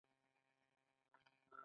ولـې خـلـک پـه اسـلامـي عـقـيده نـه روزي.